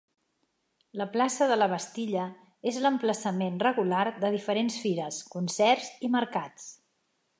La plaça de la Bastilla és l'emplaçament regular de diferents fires, concerts i mercats.